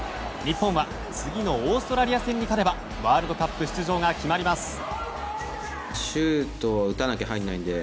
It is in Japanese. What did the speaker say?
日本は次のオーストラリア戦に勝てばワールドカップ出場が決まります。